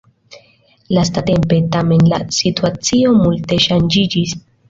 Lastatempe, tamen, la situacio multe ŝanĝiĝis.